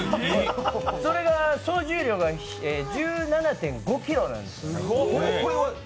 それが総重量が１７．５ｋｇなんです。